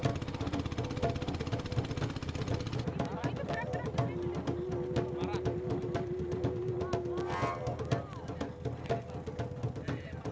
di atas cuman ada jalan yang menarik